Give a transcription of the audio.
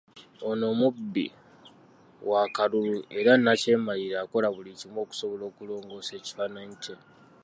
Ono omubbi w'akalulu era nnakyemalira akola buli kimu okusobola okulongoosa ekifaananyi kye.